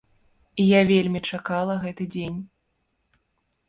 Я вельмі чакала гэты дзень.